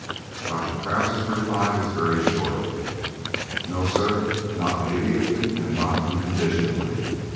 Dr. Krause's reply was very short: "No, sir, not immediately and not unconditionally."